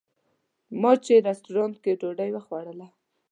ما چې رسټورانټ کې ډوډۍ خوړله.